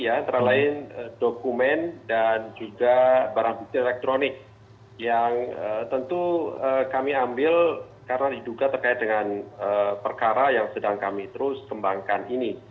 antara lain dokumen dan juga barang bukti elektronik yang tentu kami ambil karena diduga terkait dengan perkara yang sedang kami terus kembangkan ini